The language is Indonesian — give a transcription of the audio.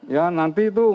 ya nanti itu